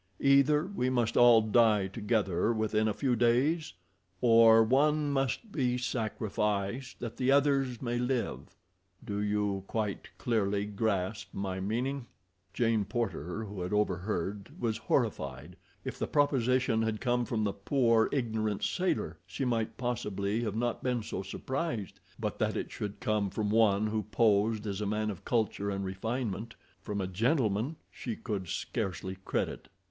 Either we must all die together within a few days, or one must be sacrificed that the others may live. Do you quite clearly grasp my meaning?" Jane Porter, who had overheard, was horrified. If the proposition had come from the poor, ignorant sailor, she might possibly have not been so surprised; but that it should come from one who posed as a man of culture and refinement, from a gentleman, she could scarcely credit.